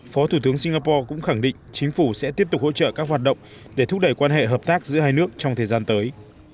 phó thủ tướng singapore cũng khẳng định chính phủ sẽ tiếp tục hỗ trợ các hoạt động để thúc đẩy quan hệ hợp tác giữa hai nước trong thời gian tới